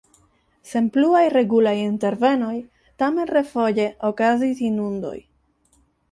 Sen pluaj regulaj intervenoj tamen refoje okazis inundoj.